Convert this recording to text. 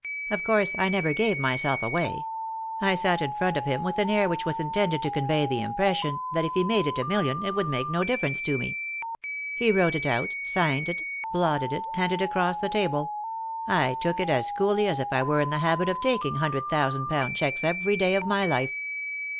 Of course I never gave myself away ; I sat in front of him with an air which was intended to convey the impression that if he made it a million it would make no difference to me. He wrote it out, signed it, blotted it, handed it across the table ; I took it as coolly as if I were in the habit of taking hundred thousand pound cheques every day 3i 9 iii^d by Google THE INTERRUPTED KISS of my life.